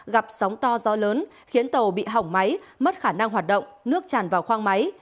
gặp sóng to gió lớn khiến tàu bị hỏng máy mất khả năng hoạt động nước tràn vào khoang máy